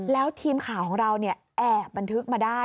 แล้วทีมข่าวของเราแอบบันทึกมาได้